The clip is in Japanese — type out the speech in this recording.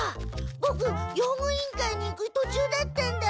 ボク用具委員会に行くとちゅうだったんだ。